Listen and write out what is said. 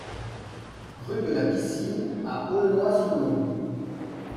Rue de la Piscine à Aulnois-sous-Laon